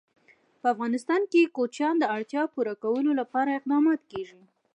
په افغانستان کې د کوچیان د اړتیاوو پوره کولو لپاره اقدامات کېږي.